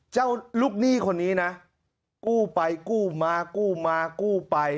เจ้าลูกหนี้คนนี้นะกู้ไปกู้มากู้มากู้ไป